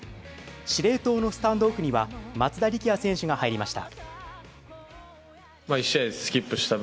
司令塔のスタンドオフには松田力也選手が入りました。